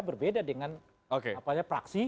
berbeda dengan apanya praksi